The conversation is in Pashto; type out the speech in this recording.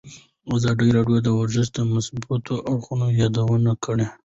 ازادي راډیو د ورزش د مثبتو اړخونو یادونه کړې.